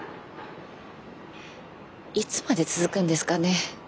いつまで続くんですかね